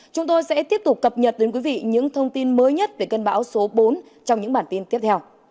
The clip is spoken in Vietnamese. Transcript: chúng tôi sẽ tiếp tục cập nhật đến quý vị những thông tin mới nhất về cơn bão số bốn trong những bản tin tiếp theo